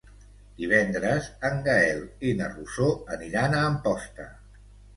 Divendres en Gaël i na Rosó aniran a Amposta.